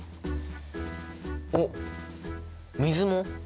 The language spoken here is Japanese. おっ水も？